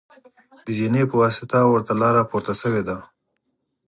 د زینې په واسطه ورته لاره پورته شوې ده.